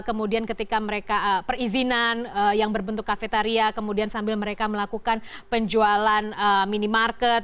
kemudian ketika mereka perizinan yang berbentuk kafetaria kemudian sambil mereka melakukan penjualan minimarket